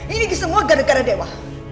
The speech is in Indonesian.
ini semua gara gara dewa